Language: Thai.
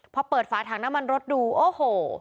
พอเปิดฝาถังน้ำมันรถดูโอ้โห